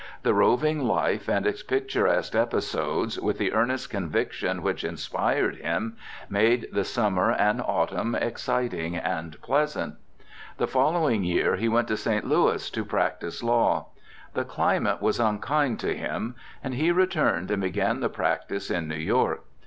The roving life and its picturesque episodes, with the earnest conviction which inspired him, made the summer and autumn exciting and pleasant. The following year he went to St. Louis to practise law. The climate was unkind to him, and he returned and began the practice in New York.